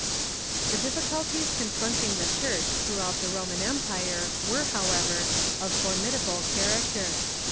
The difficulties confronting the Church throughout the Ro man Empire were, however, of formidable character.